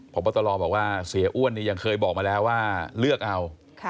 ผ่านบอตรองก็ส่งว่าเสียอ้วนนี้ยังเคยบอกมาแล้วว่าเลือกเอา